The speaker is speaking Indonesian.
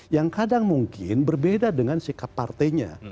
yang kadang mungkin berbeda dengan sikap partainya